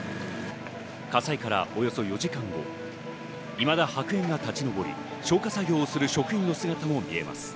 火災からおよそ４時間後、いまだ白煙が立ち上り、消火作業をする職員の姿も見えます。